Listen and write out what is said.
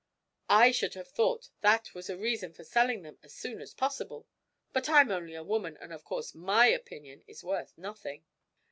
'I should have thought that was a reason for selling them as soon as possible; but I'm only a woman, and of course my opinion is worth nothing!